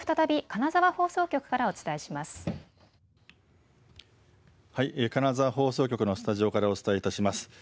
金沢放送局のスタジオからお伝えいたします。